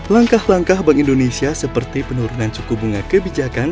langkah langkah bank indonesia seperti penurunan suku bunga kebijakan